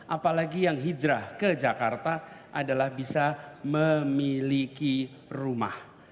apalagi yang hijrah ke jakarta adalah bisa memiliki rumah